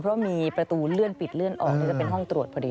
เพราะมีประตูเลื่อนปิดเลื่อนออกจะเป็นห้องตรวจพอดี